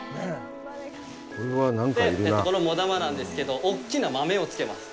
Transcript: このモダマなんですけど、大きな豆をつけます。